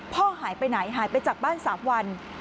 พ่อหายไปไหนหายไปจากบ้าน๓วัน